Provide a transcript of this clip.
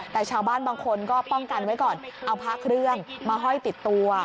แต่ชาวบ้านบางคนก็ป้องกันไว้ก่อนเอาพระเครื่องมาห้อยติดตัว